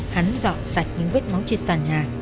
hắn dọn sạch những vết máu trên sàn nhà